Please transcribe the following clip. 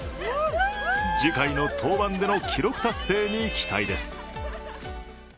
次回の登板での記録達成に期待です。